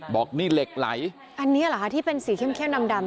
บอกนี่เหล็กไหลอันนี้เหรอคะที่เป็นสีเข้มดำ